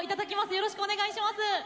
よろしくお願いします。